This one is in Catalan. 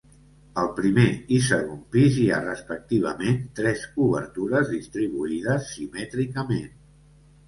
Al primer i segon pis hi ha respectivament tres obertures distribuïdes simètricament.